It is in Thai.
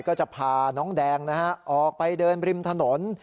ก็จะพาน้องแดงนะฮะออกไปเดินริมถนน